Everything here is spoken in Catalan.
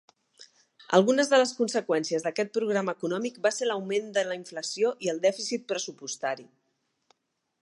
Algunes de les conseqüències d'aquest programa econòmic van ser l'augment de la inflació i el dèficit pressupostari.